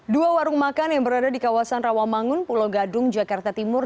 dua warung makan yang berada di kawasan rawamangun pulau gadung jakarta timur